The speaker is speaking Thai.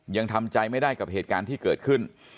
ยังทำใจไม่ได้กับเหตุการณ์ที่เกิดขึ้น